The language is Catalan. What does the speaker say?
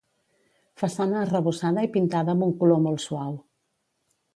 Façana arrebossada i pintada amb un color molt suau.